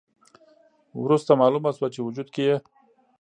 وروسته مالومه شوه چې وجود کې یې